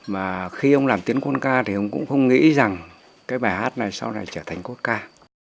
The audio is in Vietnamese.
mà khi ông làm tiến quân ca thì ông cũng không nghĩ rằng cái bài hát này sau này trở thành cốt ca